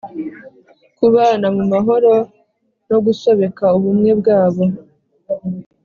kubana mu mahoro nogusobeka ubumwe bwabo